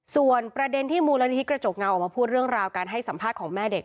ส่วนประเด็นที่มูลนิธิกระจกเงาออกมาพูดเรื่องราวการให้สัมภาษณ์ของแม่เด็ก